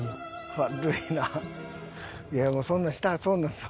いやもうそんなんしたらそんなん。